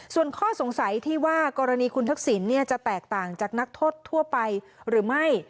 ส่วนข้อสงสัยที่ว่ากรณีคุณทักษิณจะแตกต่างจากนักโทษทั่วไปหรือไม่